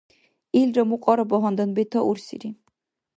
Илра мукьара багьандан бетаурсири.